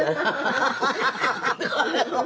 アハハハ！